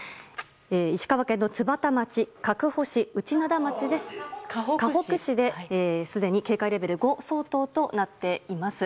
石川県の津幡町、かほく市、内灘町ですでに警戒レベル５相当となっています。